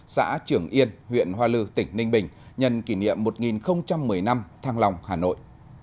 xã trường yên huyện hoa lư tỉnh ninh bình nhân kỷ niệm một nghìn một mươi năm thăng long hà nội